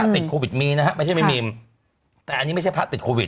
พระติดโควิดมีนะฮะแต่นี่ไม่ใช่พระติดโควิด